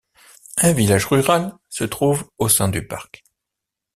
Un village rural se trouve au sein du parc.